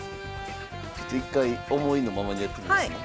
ちょっと一回思いのままにやってみますね。